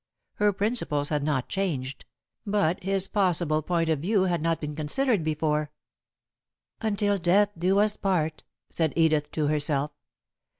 Her principles had not changed, but his possible point of view had not been considered before. [Sidenote: Irrevocably Bound] "'Until death do us part,'" said Edith, to herself.